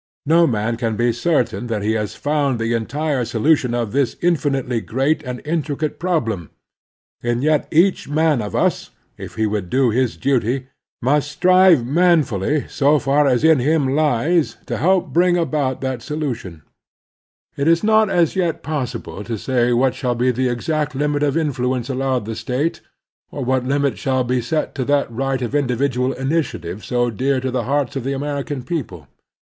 No man can be certain that he has fotmd the entire solution of this infinitely great and intricate prob lem, and yet each man of us, if he would do his The Labor Question J97 duty, must strive manfully so far as in him lies to help bring about that solution. It is not as yet possible to say what shall be the exact limit of influence allowed the State, or what limit shall be set to that right of individual initiative so dear to the hearts of the American people.